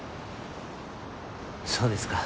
そうですか。